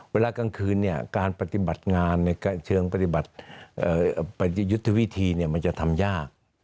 เวลากลางคืนการปฏิบัติงานในเชิงปฏิบัติยุทธวิธีมันจะทำยาก